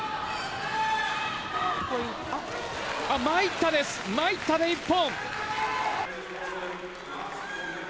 まいったです、まいったで一本。